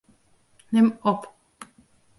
Nim op.